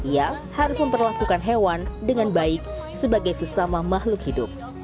ia harus memperlakukan hewan dengan baik sebagai sesama makhluk hidup